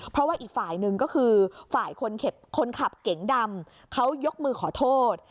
เพราะว่าอีกฝ่ายหนึ่งก็คือฝ่ายคนขับเก๋งดำเขายกมือขอโทษ